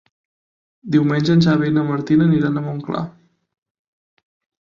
Diumenge en Xavi i na Martina aniran a Montclar.